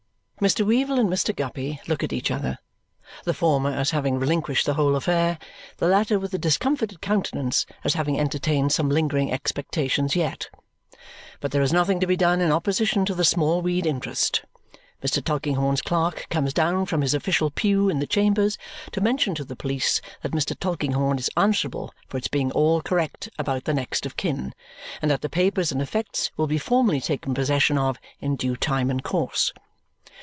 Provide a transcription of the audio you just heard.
Mr. Weevle and Mr. Guppy look at each other, the former as having relinquished the whole affair, the latter with a discomfited countenance as having entertained some lingering expectations yet. But there is nothing to be done in opposition to the Smallweed interest. Mr. Tulkinghorn's clerk comes down from his official pew in the chambers to mention to the police that Mr. Tulkinghorn is answerable for its being all correct about the next of kin and that the papers and effects will be formally taken possession of in due time and course.